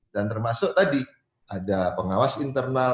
dan termasuk tadi ada pengawas internal